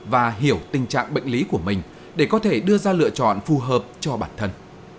và hiểu tình trạng bệnh lý của mình để có thể đưa ra lựa chọn phù hợp cho bản thân